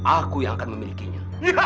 aku yang akan memilikinya